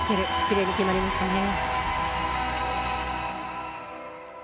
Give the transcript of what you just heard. キレイに決まりましたね